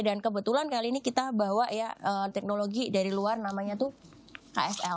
dan kebetulan kali ini kita bawa ya teknologi dari luar namanya tuh ksl